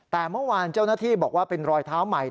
แต่เมื่อวานเจ้าหน้าที่บอกว่าเป็นรอยเท้าใหม่